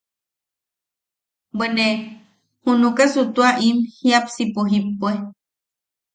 Bwe ne junukasu tua nim jiapsipo jippue.